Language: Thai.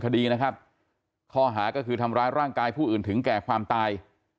คดีนะครับข้อหาก็คือทำร้ายร่างกายผู้อื่นถึงแก่ความตาย